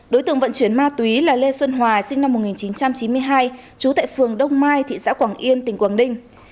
đối tượng vận chuyển ma túy là lê xuân hòa sinh năm một nghìn chín trăm chín mươi hai trú tại phường đông mai thị xã quảng yên tỉnh quảng ninh